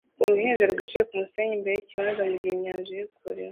Uruhinja rwicaye kumusenyi imbere yikibanza mugihe inyanja iri kure